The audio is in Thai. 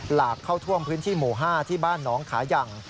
หลากเข้าท่วมพื้นที่หมู่๕ที่บ้านน้องขายัง